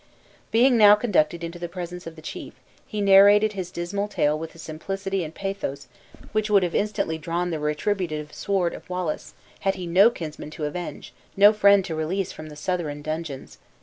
Being now conducted into the presence of the chief, he narrated his dismal tale with a simplicity and pathos which would have instantly drawn the retributive sword of Wallace, had he had no kinsman to avenge, no friend to release from the Southron dungeons.